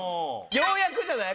ようやくじゃない？